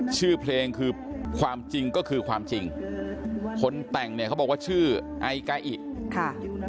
ชื่อเพลงคือความจริงก็คือความจริงคนแต่งเนี่ยเขาบอกว่าชื่อไอกาอิค่ะ